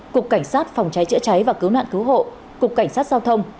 cục cảnh sát phòng cháy chữa cháy và cứu nạn cứu hộ cục cảnh sát giao thông